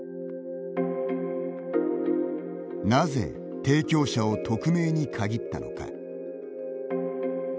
なぜ、提供者を匿名に限ったのか。